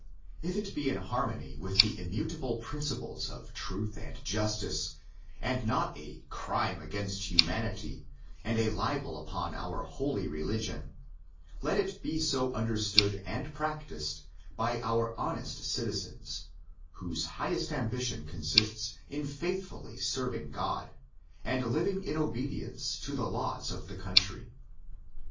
If it be in harmony with the immutable principles of truth and justice, and not a " crime against humanity," and a libel upon our holy religion, let it be so understood and practised by our honest citizens, whose highest ambition consists in faithfully serving God, and living in obedience to the laws of the country.